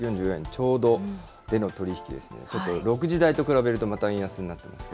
ちょうどでの取り引きですので、ちょっと６時台と比べると、また円安になっています。